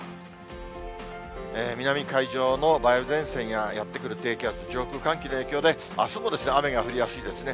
南海上の梅雨前線や、やって来る低気圧、上空、寒気の影響であすも雨が降りやすいですね。